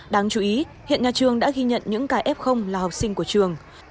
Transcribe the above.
đáng chú ý hiện nhà trường đã ghi nhận những cái f là học sinh của trường